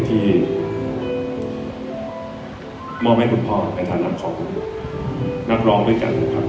ที่มอบให้คุณพ่อในฐานะของนักร้องด้วยกันนะครับ